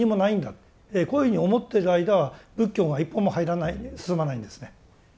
こういうふうに思ってる間は仏教が一歩も入らない進まないんですね。